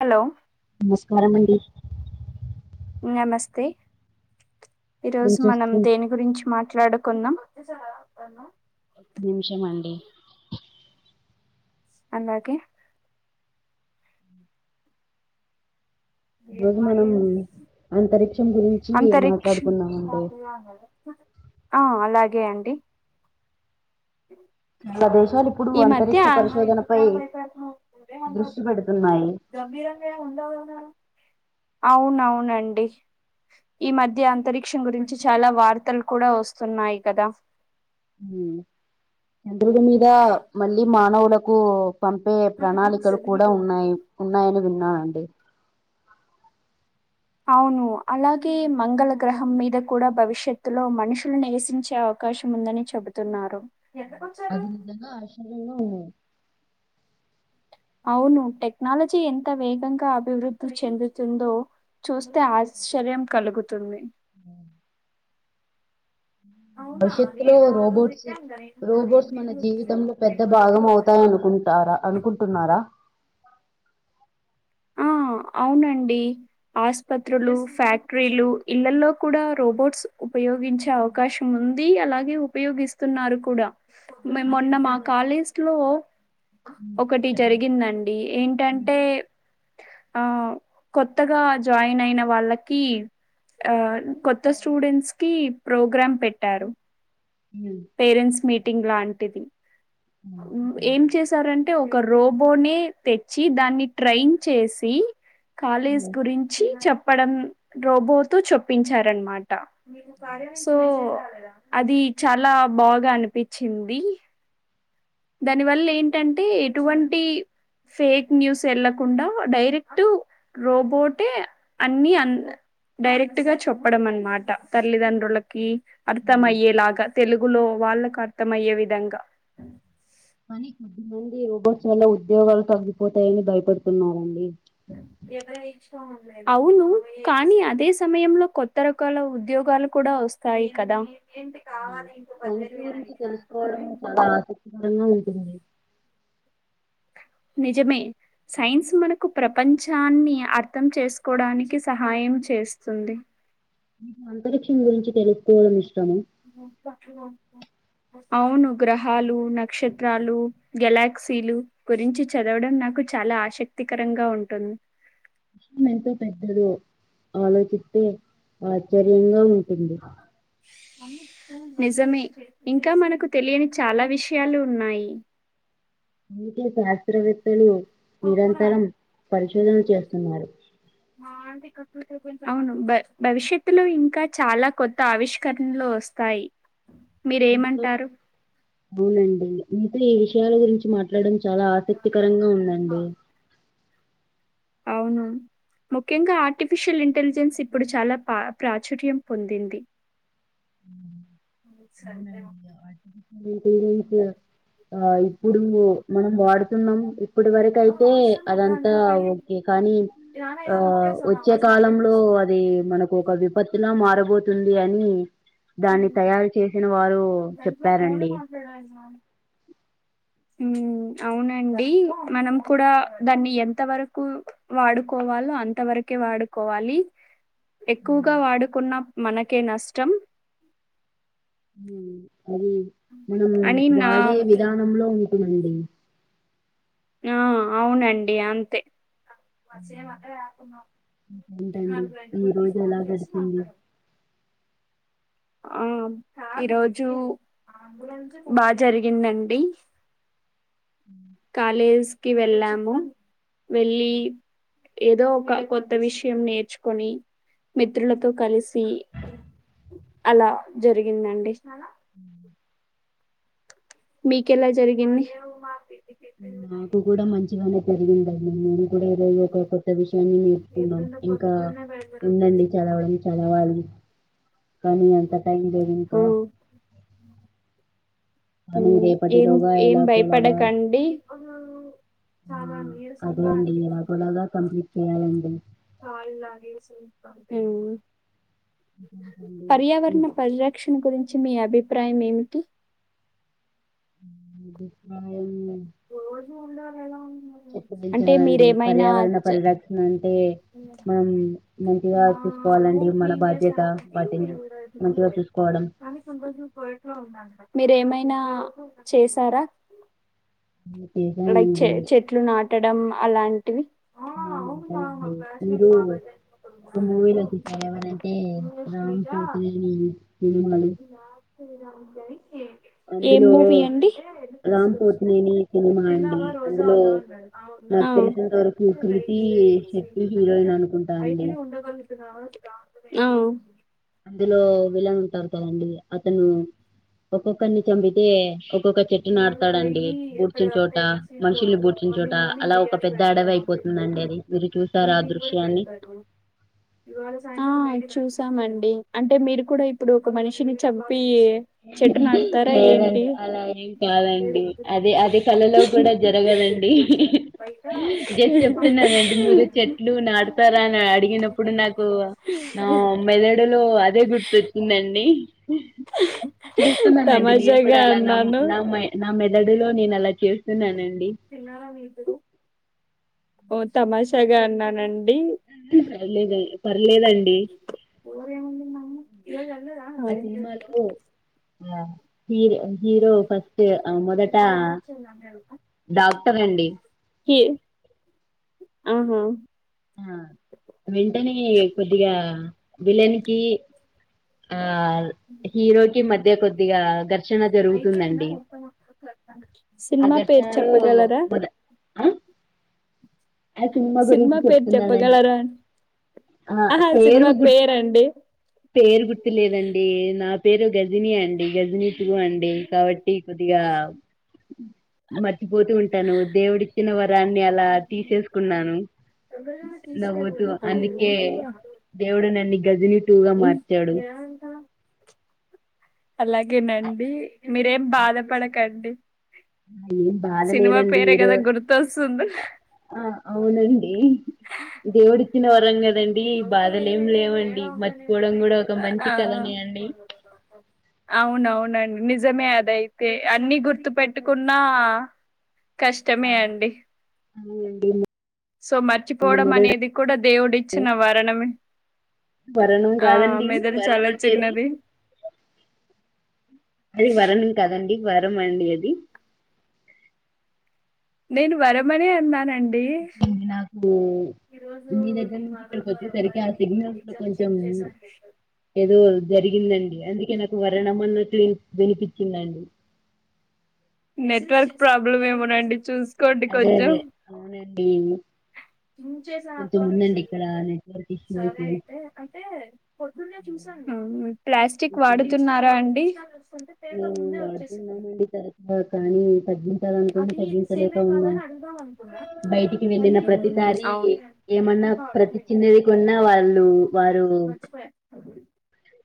Hello నమస్కారమండి నమస్తే ఈ ఏం రోజు మనం చేస్తున్న దేని గురించి మాట్లాడదం కొన్నాం ఒక్క నిమిషం అండి అలాగే ఈ రోజు మనం అంతరిక్షం గురించి అంతరిక్ష మాట్లాడుకుందామండి ఆ అలాగే అండి చాలా దేశాలు ఇప్పుడు ఈ మధ్య అంతరిక్ష పరిశోధనపై జ్ఞనం భయపడుతున్నావురే ఉండవు దృష్టి పెడుతున్నాయి గంభీరంగా ఏ ఉండవున్నారు అవునవునండి ఈ మధ్య అంతరిక్షం గురించి చాలా వార్తలు కూడా వస్తున్నాయి కదా ఉమ్, చంద్రుడి మీద మళ్ళీ మానవులకు పంపే ప్రణాళికలు కూడా ఉన్నాయి ఉన్నాయని విన్నా అండ్ అవును అలాగే మంగళ గ్రహం మీద కూడా భవిష్యత్తులో మనుషులు నివసించే అవకాశం ఉందని చెబుతున్నారు అది ఇదంగా ఆశర్య ఉ అవును టెక్నాలజీ ఎంత వేగంగా అభివృద్ధి చెందుతుందో చూస్తే ఆశ్చర్యం కలుగుతుంది అవునా భవిష్యత్తులో నేను ఆ రోజు రోబోట్స్, ఎక్కాను కదా నేను నాది రోబోట్స్ మన ఎనిమిదింటికి వచ్చింది కదా జీవితంలో నేను పెద్ద పదింటికి భాగం వచ్చాను అవుతాయ అనుకుంటారా అనుకుంటున్నారా ఆ అవునండి ఆస్పత్రులు ఫ్యాక్టరీలు ఇల్లలో కూడా రోబోట్స్ ఉపయోగించే అవకాశం ఉంది. అలాగే ఉపయోగిస్తున్నారు కూడా మే అని మొన్న కొద్ది మా కాలేజ్ ఒకటి చెప్పండి జరిగిందండి ఉమ్, ఏంటంటే ఆ కొత్తగా జాయిన్ అయిన వాళ్ళకి ఆ కొత్త స్టూడెంట్స్ కి ప్రోగ్రామ్ పెట్టారు. ఉమ్. పేరెంట్స్ మీటింగ్ లాంటిది ఏం చేశారంటే ఒ ఒక రోబోనే తెచ్చి దాన్ని ట్రైన్ చేసి కాలేజ్ గురించి చెప్ చెప్పడం రోబోతో చెపించారనమాట సో అది చాలా బాగా అనిపించింది దానివల్ల ఏంటంటే ఎటువంటి ఫేక్ న్యూస్ ఎ ళ్ళకుండా డైరెక్ట్ రోబోటే అన్ని డైరెక్ట్గా చె ప్పడం అన్నమాట తల్లిదండ్రులకి అర్థమయ్యేలాగా తెల్ [inaudible] వాళ్ళలకు అర్థమయ్యే విధంగా పని కొద్దిగుంది రోబోట్ చాలా ఉద్యోగాలు తగ్గిపోతాయని భయపడుతున్నారండి ఎవరైచ్ అవును కానీ అదే సమయంలో కొత్త రకాల ఉద్యోగాలు కూడా ఓస్తాయి కదా సంఖ్య గురించి తెలుసుకోవడం చాలా ఆసక్తికరంగా ఉ స నిజమే సైన్స్ మనకు ప్రపంచాన్ని అర్థం చేసుకోడానికి సహాయం చేస్తుంది మీ అంతరిక్షం గురించి తెలుసుకో ప అవును గ్రహాలు నక్షత్రాలు గెలాక్సీలు గురించి చదవడం నాకు చాలా ఆశక్తికరంగా ఉంటుంది. విషయమ్ ఎంత పెద్దదో నిజమే ఇంకా మనకు తెలియని చాలా విషయాలు ఉన్నాయి మీకే శాస్రవేత్తలు నిరంతరం పరిశోధన చేస్తున్నారు అవును భవిష్యత్తులో ఇంకా చాలా కొత్త ఆవిష్కరణలు వస్తాయి మీతో మీరేమంటారు అవునండి మీతో ఈ విషయాల గురించి మాట్లాడ చాలా ఆసక్తికరంగా ఉందండి అవును ముఖ్యంగా ఆర్టిఫిషియల్ ఇంటెలిజెన్స్ ఇప్పుడు చాలా పా ప్రాచుర్యం పొందింది ఆ ఇప్పుడు మనం వాడుతున్నాం ఇప్పటి వరక అయితే అదంతా ఓకే కానీ ఆ వచ్చే కాలంలో అది మనకు ఒక విపత్తులా మారబోతుంది బిర్యానీ దాన్ని తయారు చేసిన వారు చెప్ ఫోన్ కఫడైజన్ ఉ అవునండి మనం కూడా దాన్ని ఎంత వరకు వాడుకోవాలో అంతవరకే వాడుకోవాలి ఎక్కువగా ఉమ్. వాడకున్న మనకే నష్టం ఉ అది మనము అని నా వాడే విధానంలో హుండీ ఆ అవునండి అంతే మస మాత్రం రాకున్నా ఏంటండి నలుగురు ఈ ఐదుగురికి రోజు ఫోన్ ఎలా చేసి గడిచింది మాట్లాడాలి ఆ ఈరోజు బాగా జరిగిందండి అ కాలేజ్ కి వెళ్ళాము వెళ్లి ఏదో ఒక కొత్త విషయం నేర్చుకొని మిత్రులతో కలిసి అలా జరిగిందండి ఉ మీకెలా జరిగింది మాకు కూడా [unintelligible] కూడా ఏదో ఒక కొత్త విషయాన్ని నేర్చుకున్నాం ఇంకా ఉందండి చదవాలి చదవాలి కానీ అంత టైమ్ లేదింక ఉమ్ కానీ ఉమ్ ఏం రేపటిలోగా ఏం ఎలాపోలాగా భయపడకండి ఆ అదేండి ఇలాపోలాగా కంప్లీట్ చేయాలండి ఇంకేంటండి? ఈ పర్యావరణ పరిరక్షణ గురించి మీ అభిప్రాయం ఏమిటి ది అయి ఉందో లేదో ఎప్పటినుంచో కదండి పర్యావరణ పరిరక్షణ టే మనము ఆ రూమ్ క్లీన్ చేసార అండి వాటిని మీరు మంచిగా లేదు చూసుకోవడం కానీ కొన్ని కొన్ని చోట్ల ఉందంట మీరేమైన అయినా చేసారా లైక్ చె చేశానండి చెట్లు నాటడం? అలాంటివి ఆ అనిరు ఒక మూవీలోచ్చ చూసార ఎవరంటే రామ్ పోతినేని సినిమాలు. నా సర రాం జరి ఏం అందులో మూవీ అండి రామ్ పోతినేని సినిమా అండి. అందులో నాకు తెలిసినంత వరకు 'కృతి శెట్టి' హీరోయిన్ అనుకుంటా ఆ అండి. అవు అందులో విలను ఉంటారు కదండి అతను ఒక్కొక్కరిని చంపితే ఒక్కొక్క చెట్టు వాారు నాటుతాడండి. డైలీ ఎక్కడ బూడ్చిన చోట, వస్తతే బస లో మనుషుల్ని బూడ్చిన చోట మార్నింగ్ మార్నింగ్ అలా ఒక బిర్యానీ పెద్ద అడవి పెడతారు ఆమ్లెట్ అయిపోతుందండి పెడతారు అది. మీరు చూసారా ఆ ఈవినింగ్ వరకి దృశ్యాన్ని? పెడతారు ఇవాళ అ చుసాను స్తా అండి అంటే మీరు కూడా ఇప్పుడు ఒక మనిషిని చంపి ఈ చెట్టు నాడతారా ఏంటి లేదండి అలా ఏం కాదండి అదే అదే కళలో కూడా జరగదండి జస్ట్ చెప్తున్నానండి మీరు చెట్లు నాడతారా అని అడిగినప్పుడు నాకు నా మెదడులో అదే గుర్తుొచ్చిందండి కల్కందాండి నేన్ కూడా తమాషాగా అలా నమ్ అన్నాను నమ్ నా మెదడులో నేను అలా చేస్తున్నానండి. తిన్నారా మీరు ఓ తమాషాగా అన్నానండి పర్లేదు పర్లేదండి ఏ ఆ సినిమలో ఆ హీరో ఫస్ట్ మొదట డాక్టర్ అండి ఆహ ఆ వెంటనే కొద్దిగా విలేన్కి ఆ హీరోకిి మధ్య కొద్ది కొద్దిగా ఘర్షణ అయితే ఏన్నా జరుగుతుందండి మా అే ఆ సినిమా పేరు ఘర్షణలో చెప్పగలరా మొద ఆ ఆ గురించి సినిమా పేరు చెప్తున్నానండి చెప్పగలరా ఆ అ ఆహా సినిమా గుర్ పేరు అండి పేరు గుర్తు లేదండి నాకు పేరు గజిని అం గజనీ టు అండి కాబట్టి కొద్దిగా మ పోతూ ఉంటాను దేవుడుచ్చిన వర్ అలా తీసేసుకున్నాను నవ్వుతూ అందుకే దేవుడు నన్ని గజ టూ గా మార్చాడు [inaudible] అలాగేనండి మీరేం బాధపడకండి ఏం బాధ సినిమా లేదండి పేరే ఈరో కదా గుర్తొస్తుంది ఆ అవునండి దేవుడి [inaudible] మర్చిపోవడం కూడా ఒక మంచి కళనే అండి అవునవునండి నిజమే అదైతే అన్ని గుర్తు పెట్టుకున్నా ఆ కష్టమే అండి అవునండి సో మర్చిపోవడం అనేది కూడా దేవుడి చిన్న వారణమే [inaudible] వరణ కాదండి చాలా వరమంట అది చిన్నది అది వరణం కాదండి వరమండి అది నేను వరమనే అన్నాను నాకు మీ దగ్గర నుంచి ఇక్కడికి వచ్చేసరికి ఆ సిగ్నల్ కొంచెం ఏదో జరిగిందండి, అందుకే నాకు వర్ణం అన్న క్న్ వినిపించిందండి నెట్వర్క్ ప్రాబ్లమ్ ఏమోనండి చూ అదే అదే అవును ఏను సాప్ప మ నెట్వర్క్ సరే ఇష్యూస్ అయితే అే పొద్దున్న చూసాను ప్లాస్టిక్ వాడుతున్నారా అండి మేము వాడుతున్నామండి తరచగా కానీ తగ్లి నుకు తగ్గించలేక ఉన్నాం, బయటికి వెళ్ళిన ప్రతిసారి అవును ఏమన్నా ప్రతి చిన్నది కొన్నా వాళ్ళు వారు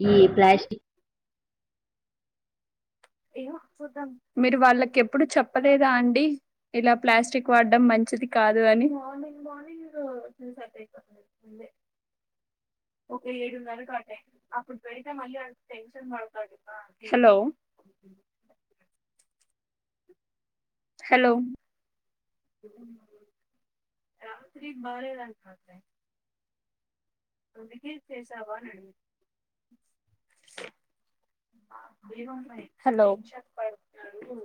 ఈ ప్లాస్టిక్ మీరు వాళ్ళకి ఎప్పుడు చెప్పలేదా అండి, ఇలా ప్లాస్టిక్ వాడడం మంచిది కాదు అని, హలో హలో ఉ రాత్రి [unintelligible] హలో